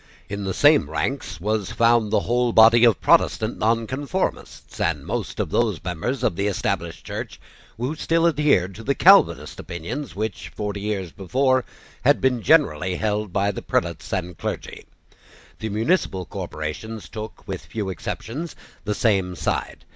In the same ranks was found the whole body of Protestant Nonconformists, and most of those members of the Established Church who still adhered to the Calvinistic opinions which, forty years before, had been generally held by the prelates and clergy. The municipal corporations took, with few exceptions, the same side.